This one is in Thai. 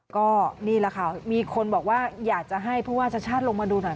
ก็นี่แหละค่ะมีคนบอกว่าอยากจะให้ผู้ว่าชาติชาติลงมาดูหน่อย